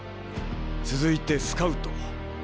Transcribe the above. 続いてスカウト。